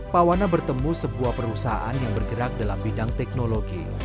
pawana bertemu sebuah perusahaan yang bergerak dalam bidang teknologi